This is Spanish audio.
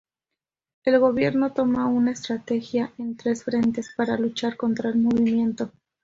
El gobierno toma una estrategia en tres frentes para luchar contra el movimiento.